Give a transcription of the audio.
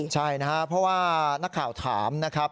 ใช่นะครับเพราะว่านักข่าวถามนะครับ